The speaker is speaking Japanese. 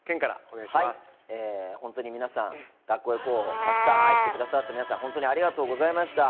本当に皆さん、「学校へ行こう！」をたくさん愛してくださって、ありがとうございました。